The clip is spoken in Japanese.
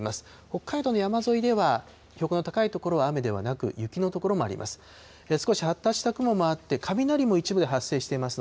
北海道の山沿いでは、標高の高い所では雨ではなく、雪の所もあります。